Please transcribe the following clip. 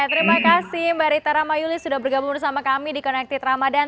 terima kasih mbak rita ramayuli sudah bergabung bersama kami di connected ramadan